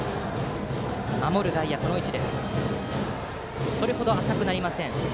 守る外野はそれほど浅くなりません。